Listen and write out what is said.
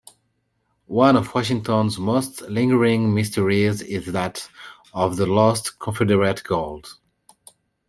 One of Washington's most lingering mysteries is that of the lost Confederate gold.